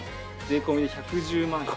税込で１１０万円。